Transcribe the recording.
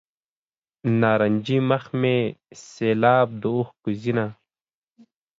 نارنجي مخ مې سیلاب د اوښکو ځینه.